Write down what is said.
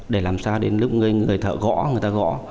để làm sao đến lúc người thợ gõ người ta gõ